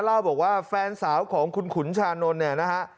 เล่าบอกว่าแฟนสาวของคุณขุนชานนท์เนี่ยนะฮะ